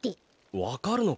わかるのか？